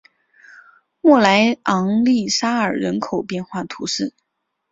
莫莱昂利沙尔人口变化图示